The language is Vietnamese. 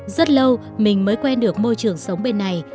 rất lâu mình mới quen được môi trường sống bên này